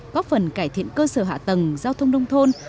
có phần cải thiện cơ sở hạ tầng giao thông đông thôn